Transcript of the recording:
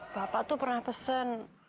bapak tuh pernah pesen